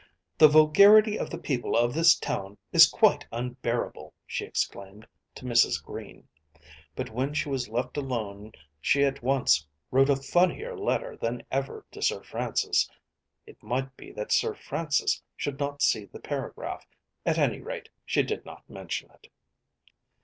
"The vulgarity of the people of this town is quite unbearable," she exclaimed to Mrs. Green. But when she was left alone she at once wrote a funnier letter than ever to Sir Francis. It might be that Sir Francis should not see the paragraph. At any rate she did not mention it.